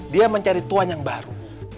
dia mencari tuan yang baru